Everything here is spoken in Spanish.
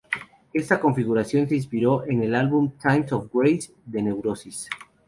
Esta configuración se inspiró en el álbum Times of Grace de Neurosis.